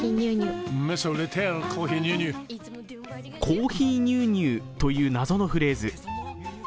「コーヒーニューニュー」という謎のフレーズ。